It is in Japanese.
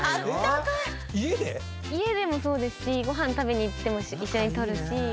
家でもそうですしご飯食べに行っても一緒に撮るし。